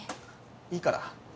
いいから。